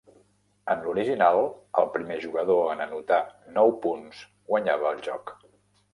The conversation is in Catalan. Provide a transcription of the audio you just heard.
En l'original, el primer jugador en anotar nou punts guanyava el joc.